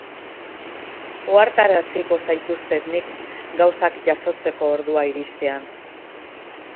Ohartaraziko zaituztet nik, gauzak jasotzeko ordua iristean.